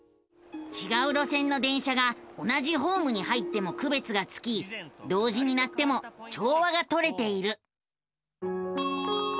ちがう路線の電車が同じホームに入ってもくべつがつき同時に鳴っても調和がとれている。